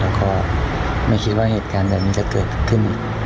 แล้วก็ไม่คิดว่าเหตุการณ์แบบนี้จะเกิดขึ้น